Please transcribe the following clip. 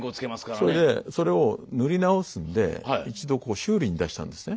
それでそれを塗り直すので一度こう修理に出したんですね。